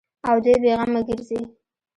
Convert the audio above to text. او دوى بې غمه گرځي.